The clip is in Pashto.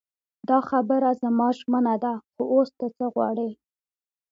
دا خبره زما ژمنه ده خو اوس ته څه غواړې.